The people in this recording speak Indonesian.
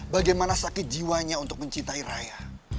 bagaimana sakit jiwanya untuk mencintai raya